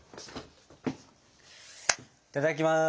いただきます！